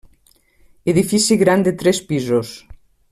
Edifici gran de tres pisos.